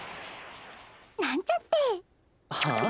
なんちゃって！はあ？